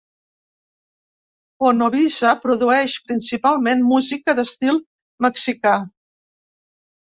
Fonovisa produeix principalment música d'estil mexicà.